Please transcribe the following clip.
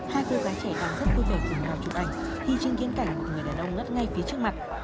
hai cô gái trẻ càng rất vui vẻ cùng nhau chụp ảnh thì chứng kiến cảnh một người đàn ông ngất ngay phía trước mặt